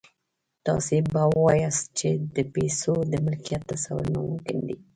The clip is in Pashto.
تاسې به واياست چې د پيسو د ملکيت تصور ناممکن دی.